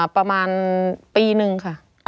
ประมาณปีนึงค่ะ